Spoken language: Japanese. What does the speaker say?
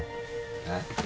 えっ？